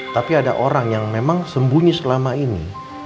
tapi ada orang yang memang sembunyi selama ini